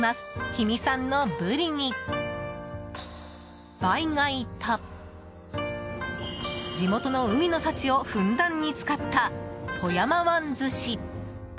氷見産のブリにバイ貝と地元の海の幸をふんだんに使った富山湾鮨。